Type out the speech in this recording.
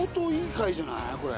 これ。